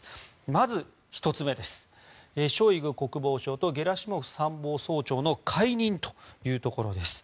まず、１つ目はショイグ国防相とゲラシモフ参謀総長の解任というところです。